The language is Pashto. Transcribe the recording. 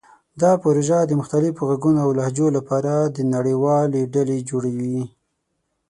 دا پروژه د مختلفو غږونو او لهجو لپاره د نړیوالې ډلې جوړوي.